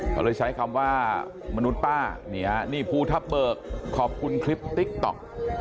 เขาเลยใช้คำว่ามนุษย์ป้านี่ฮะนี่ภูทับเบิกขอบคุณคลิปติ๊กต๊อก